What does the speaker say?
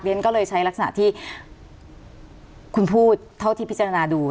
ฉันก็เลยใช้ลักษณะที่คุณพูดเท่าที่พิจารณาดู